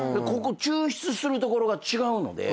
抽出するところが違うので。